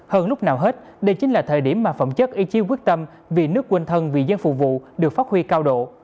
hơn lúc nào hết đây chính là thời điểm mà phẩm chất y chiêu quyết tâm vì nước quên thân vì dân phụ vụ được phát huy cao độ